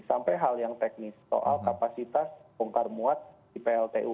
sampai hal yang teknis soal kapasitas bongkar muat di pltu